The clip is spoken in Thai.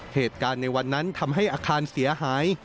เหตุการณ์ในวันนั้นทำให้อาคารเสียหาย